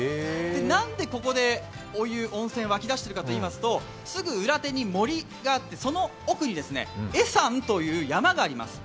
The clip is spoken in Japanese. なんでここでお湯、温泉が湧き出しているかといいますとすぐ裏手に森があって、その奥に恵山という山があります。